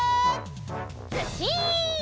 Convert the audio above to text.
ずっしん！